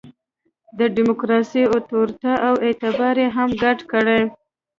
د ډیموکراسي اُتوریته او اعتبار یې هم ګډ کړي.